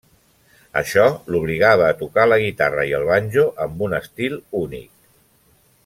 Això l'obligava a tocar la guitarra i el banjo amb un estil únic.